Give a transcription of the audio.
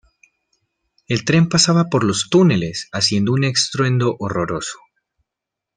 El tren pasaba por los túneles haciendo un estruendo horroroso.